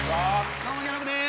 どうもギャロップです。